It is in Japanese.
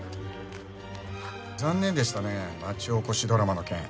残念でしたね町おこしドラマの件。